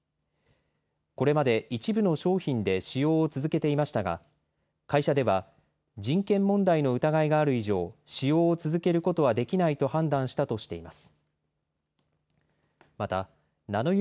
これまで一部の商品で使用を続けていましたが会社では人権問題の疑いがある以上、使用を続けることはできないと判断したとしています。